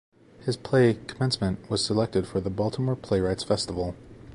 His play "Commencement" was selected for the Baltimore Playwrights Festival.